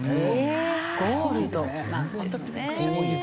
ゴールドなんですね。